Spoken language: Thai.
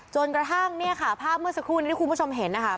จนกระทั่งเนี่ยค่ะภาพเมื่อสักครู่นี้ที่คุณผู้ชมเห็นนะคะ